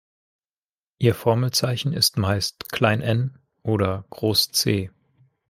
Ihr Formelzeichen ist meist "n" oder "C".